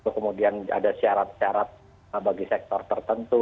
kemudian ada syarat syarat bagi sektor tertentu